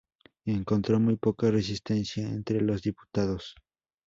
Encontró muy poca resistencia entre los diputados.